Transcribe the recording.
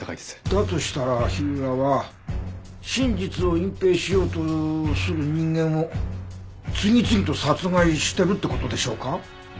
だとしたら火浦は真実を隠蔽しようとする人間を次々と殺害してるって事でしょうか？